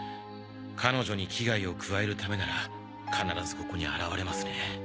彼女に危害を加えるためなら必ずここに現れますね。